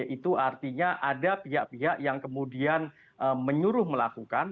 itu artinya ada pihak pihak yang kemudian menyuruh melakukan